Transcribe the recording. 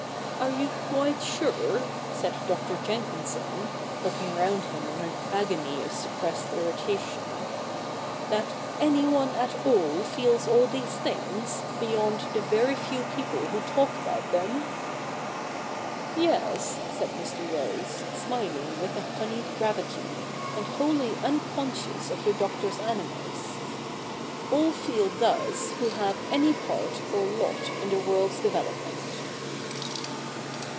' Are you quite sure, ' said Dr. Jenkinson, looking round him in an agony of suppressed in itation, ' that any one at all feels all these things, beyond the very few people who talk about them ?'' Yes,' said Mr. Rose, smiling with a honeyed gravity, and wholly unconscious of the Doctor's animus, ' all feel CH. ii] THE NEW REPUBLIC 217 thus who have any part or lot in the world's develop ment.'